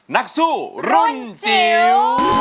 นักสู้รุ่นจิ๋ว